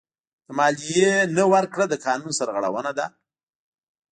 د مالیې نه ورکړه د قانون سرغړونه ده.